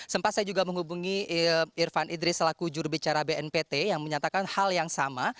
sempat saya juga menghubungi irfan idris selaku jurubicara bnpt yang menyatakan hal yang sama